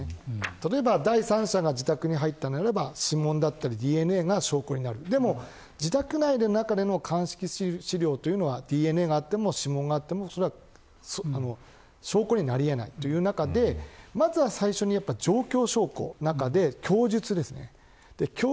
例えば、第三者が自宅に入ったなら指紋だったりＤＮＡが証拠になるだけど自宅内の鑑識資料はＤＮＡがあっても指紋があってもそれは証拠になりえないという中でやっぱり状況証拠の中の供述です。